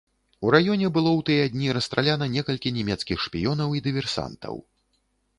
У раёне было ў тыя дні расстраляна некалькі нямецкіх шпіёнаў і дыверсантаў.